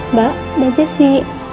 mbak ya jesse